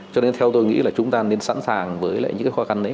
cho nên theo tôi nghĩ là chúng ta nên sẵn sàng với lại những cái khó khăn đấy